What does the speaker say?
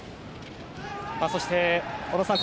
そして小野さん